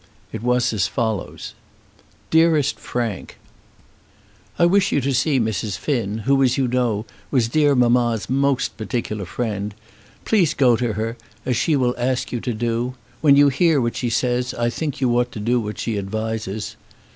It was as follows: DEAREST FRANK, I wish you to see Mrs. Finn, who, as you know, was dear mamma's most particular friend. Please go to her, as she will ask you to do. When you hear what she says I think you ought to do what she advises.